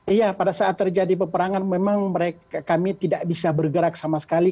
iya pada saat terjadi peperangan memang kami tidak bisa bergerak sama sekali